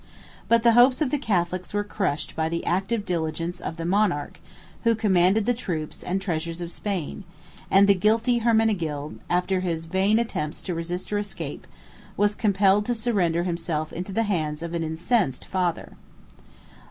But the hopes of the Catholics were crushed by the active diligence of the monarch who commanded the troops and treasures of Spain; and the guilty Hermenegild, after his vain attempts to resist or to escape, was compelled to surrender himself into the hands of an incensed father.